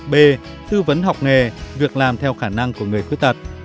b tư vấn học nghề việc làm theo khả năng của người khuyết tật